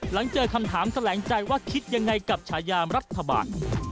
หลังเจอคำถามแสลงใจว่าคิดยังไงกับฉายามรัฐบาล